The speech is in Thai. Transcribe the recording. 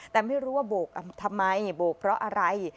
แต่ไม่รู้ว่าโบกทำไมโบกเพราะอะไร